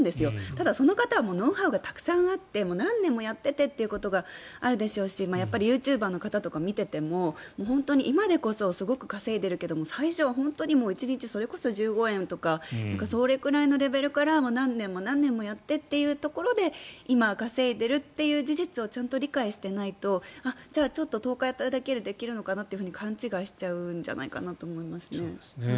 ただ、その方はノウハウがたくさんあって何年もやっていてということがあるでしょうしユーチューバーの方とかを見ていても今でこそすごく稼いでいるけど最初は１日、それこそ１５円とかそれくらいのレベルから何年もやってというところで今、稼いでいるという事実をちゃんと理解していないとじゃあ、ちょっと１０日間やったらできるのかなって勘違いしちゃうんじゃないかなと思いますね。